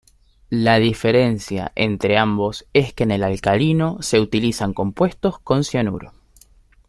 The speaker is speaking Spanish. La diferencia entre ambos es que en el alcalino se utilizan compuestos con cianuro.